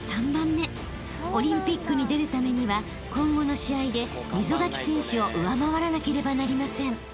［オリンピックに出るためには今後の試合で溝垣選手を上回らなければなりません］